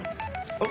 あっ！